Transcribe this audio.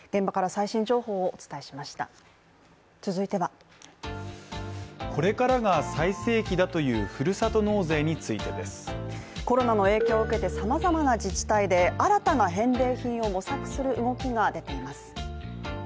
続いては、これからが最盛期だというふるさと納税についてですコロナの影響を受けて様々な自治体で新たな返礼品を模索する動きが出ています。